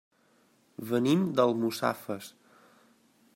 Venim d'Almussafes.